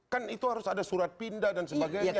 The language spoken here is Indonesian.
kan itu harus ada surat pindah dan sebagainya